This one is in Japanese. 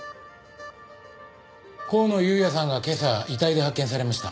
香野裕哉さんが今朝遺体で発見されました。